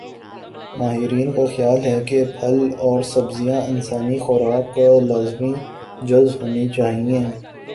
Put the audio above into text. ماہرین کا خیال ہے کہ پھل اور سبزیاں انسانی خوراک کا لازمی جز ہونی چاہئیں